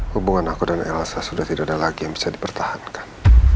hubungan aku dengan elsa sudah tidak ada lagi yang bisa dipertahankan